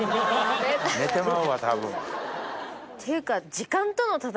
っていうか。